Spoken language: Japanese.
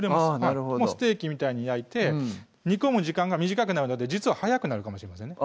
ステーキみたいに焼いて煮込む時間が短くなるので実は早くなるかもしれませんね